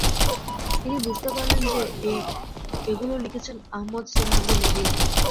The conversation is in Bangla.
তিনি বুঝতে পারলেন যে এই এগুলো লিখেছেন আহমদ সিরহান্দি নিজেই।